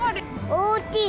大きい。